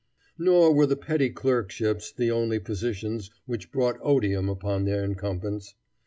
Nor were the petty clerkships the only positions which brought odium upon their incumbents.